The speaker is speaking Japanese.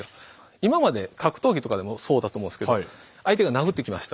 今まで格闘技とかでもそうだと思うんですけど相手が殴ってきました。